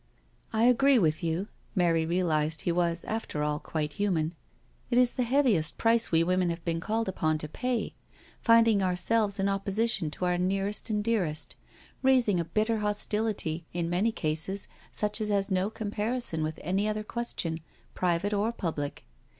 *• I agree with you "— Mary realised he was, after all, quite human —" it is the heaviest price we women have been called uj>on to pay — finding ourselves in opposition to our nearest and dearest — raising a bitter hostility, in many cases such as has no comparison with any other question, private or public.